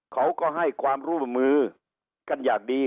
เขาก็ให้ความร่วมมือกันอย่างดี